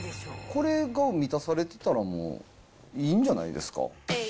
これが満たされてたら、もう、いいんじゃないですか？